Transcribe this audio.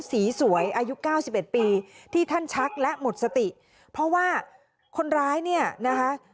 สีสวยอายุ๙๑ปีที่ท่านชักและหมดสติเพราะว่าคนร้ายเนี่ยนะคะ